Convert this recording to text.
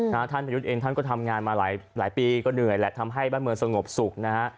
ท่านประยุทธ์เองท่านก็ทำงานมาหลายหลายปีก็เหนื่อยแหละทำให้บ้านเมืองสงบสุขนะฮะ